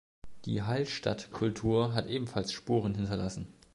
Die Hallstattkultur hat ebenfalls Spuren hinterlassen.